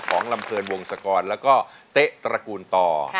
ลำเนินวงศกรแล้วก็เต๊ะตระกูลต่อ